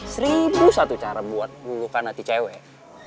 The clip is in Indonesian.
seribu satu cara buat meluluhkan hati cewek